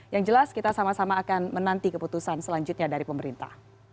yang jelas kita sama sama akan menanti keputusan selanjutnya dari pemerintah